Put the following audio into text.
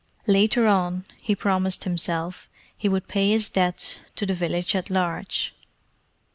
Later on, he promised himself, he would pay his debts to the village at large.